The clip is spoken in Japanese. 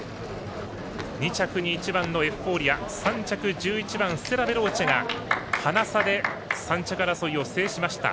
２着に１番エフフォーリア３着１１番ステラヴェローチェがハナ差で３着争いを制しました。